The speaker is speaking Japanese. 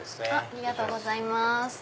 ありがとうございます。